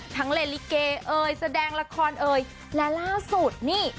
ทั้งเลลลิเกย์เอ่ยแสดงละครเอ่ยและล่าสุดนี่